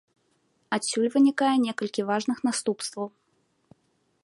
Адсюль вынікае некалькі важных наступстваў.